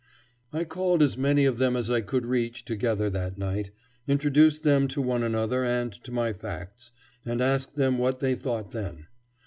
I called as many of them as I could reach together that night, introduced them to one another and to my facts, and asked them what they thought then.